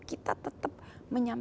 kita tetap berbicara dengan mereka